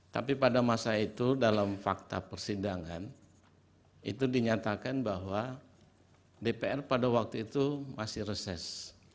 tapi pada masa itu dalam fakta persidangan itu dinyatakan bahwa dpr pada waktu itu masih reses